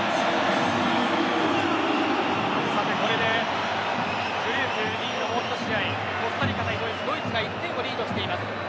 これでグループＥのもう１試合コスタリカ対ドイツはドイツが１点をリードしています。